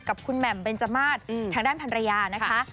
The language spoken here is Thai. กับคุณแหม่มเบนจมาสทางด้านพันรยานะคะ